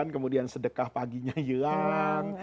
kemudian sedekah paginya hilang